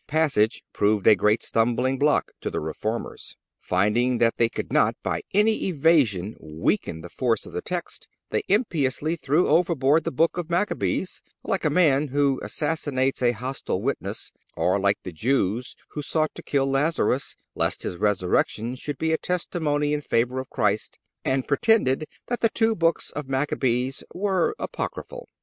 The passage proved a great stumbling block to the Reformers. Finding that they could not by any evasion weaken the force of the text, they impiously threw overboard the Books of Machabees, like a man who assassinates a hostile witness, or like the Jews who sought to kill Lazarus, lest his resurrection should be a testimony in favor of Christ, and pretended that the two books of Machabees were apocryphal.